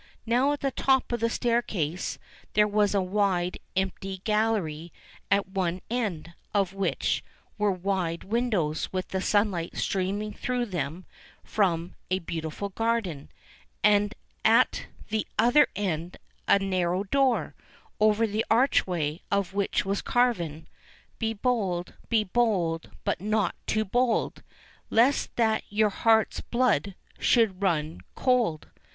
Now at the top of the staircase there was a wide, empty gallery at one end of which were wide windows with the sunlight streaming through them from a beautiful garden, and at the other end a narrow door, over the archway of which was carven : BE BOLD, BE BOLD; BUT NOT TOO BOLD, LEST THAT YOUR HEART'S BLOOD SHOULD RUN COLD.